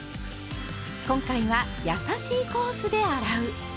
今回は「やさしいコースで洗う」。